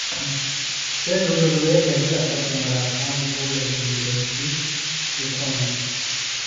سےۡ ڈُدُروے بھیدِلہ تہ عُمرا خان گھوڑہ جھلیۡ بھیشیۡ اُکھاندوۡ